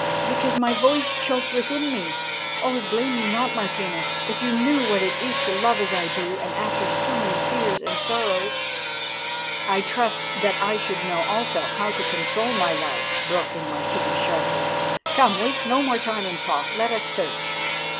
"Because my voice choked within me. Oh! blame me not, Martina. If you knew what it is to love as I do and after so many fears and sorrows " "I trust that I should know also how to control my love," broke in Martina sharply. "Come, waste no more time in talk. Let us search."